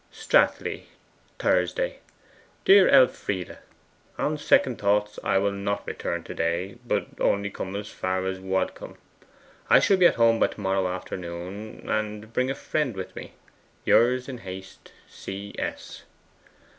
STRATLEIGH, Thursday. 'DEAR ELFRIDE, On second thoughts I will not return to day, but only come as far as Wadcombe. I shall be at home by to morrow afternoon, and bring a friend with me. Yours, in haste, C. S.